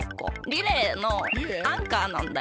リレーのアンカーなんだよねわたし。